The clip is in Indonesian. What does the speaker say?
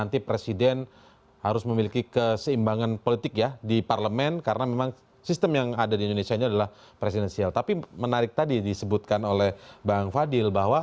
terima kasih pak jokowi